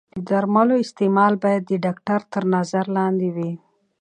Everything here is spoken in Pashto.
د درملو استعمال باید د ډاکتر تر نظر لاندې وي.